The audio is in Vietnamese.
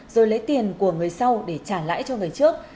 rồi lấy tiền của người sau để trả lãi cho người trước